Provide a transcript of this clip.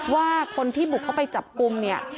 ว่าคนที่บุกเข้าไปจับกลุ่มเนี่ย